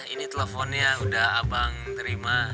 ini teleponnya udah abang terima